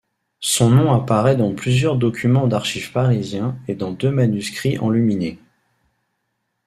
Son nom apparaît dans plusieurs documents d'archives parisiens et dans deux manuscrits enluminés.